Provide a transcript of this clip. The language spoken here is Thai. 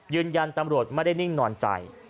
ยืนยันตำรวจไม่ได้นิ่งนอนใจ